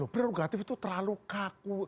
prerogatif itu terlalu kaku